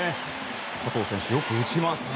加藤選手、よく打ちます。